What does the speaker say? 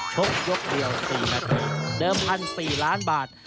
ชกยกเดียว๔นาทีเดิม๑๔ล้านบาท